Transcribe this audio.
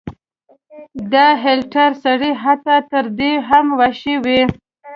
دا هټلر سړی حتی تر دې هم وحشي و.